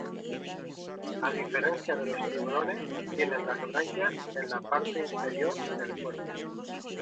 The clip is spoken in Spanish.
A diferencia de los tiburones tienen las branquias en la parte inferior del cuerpo.